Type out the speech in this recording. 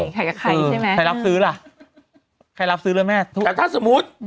ใครกับใครใช่ไหมใครรับซื้อแหละใครรับซื้อเลยแม่สมมุติ